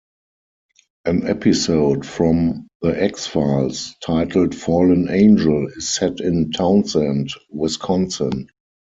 An episode from "The X-Files" titled "Fallen Angel" is set in Townsend, Wisconsin.